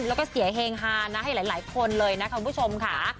แล้วก็เสียเฮงฮานะให้หลายคนเลยนะคุณผู้ชมค่ะ